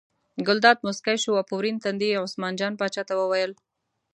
ګلداد موسکی شو او په ورین تندي یې عثمان جان پاچا ته وویل.